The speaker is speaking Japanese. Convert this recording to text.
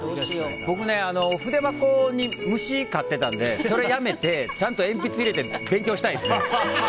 僕、筆箱に虫飼っていたんでそれやめて、ちゃんと鉛筆入れて勉強したいですね。